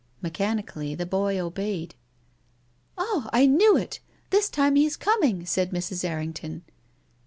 Mechanically the boy obeyed. " Ah, I knew it ! This time he is coming," said Mrs. Errington.